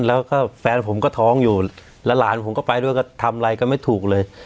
แล้วก็แฟนผมก็ท้องอยู่แล้วหลานผมก็ไปด้วยก็ทำอะไรก็ไม่ถูกเลย